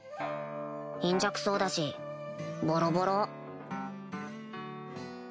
貧弱そうだしボロボロ